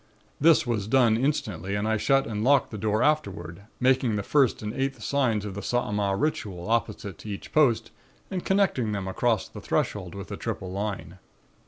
"This was done instantly and I shut and locked the door afterward making the First and Eighth signs of the Saaamaaa Ritual opposite to each post and connecting them across the threshold with a triple line.